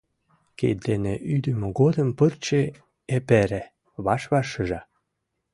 Кид дене ӱдымӧ годым пырче эпере, ваш-ваш шыжа.